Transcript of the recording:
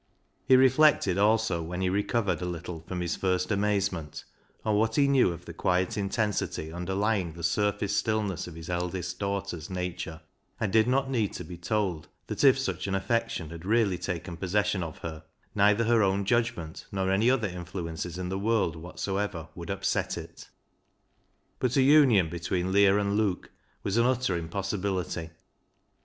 He reflected also, when he recovered a little from his first amazement, on what he knew of the quiet intensity underlying the surface still ness of his eldest daughter's nature, and did not need to be told that, if such an affection had really taken possession of her, neither her own judgment nor any other influences in the world whatsoever would upset it. But a union between Leah and Luke was an utter impossibility.